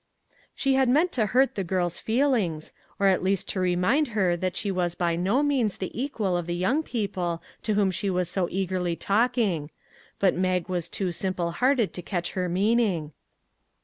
She had meant to hurt the girl's feelings, or at least to remind her that she was by no means the equal of the young people to whom she was so eagerly talking; but Mag was too simple hearted to catch her meaning.